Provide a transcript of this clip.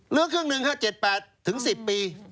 หรือครึ่งนึงครับ๗๘ถึง๑๐ปี